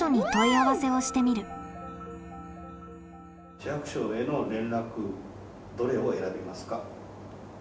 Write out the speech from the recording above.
市役所への連絡どれを選びますか？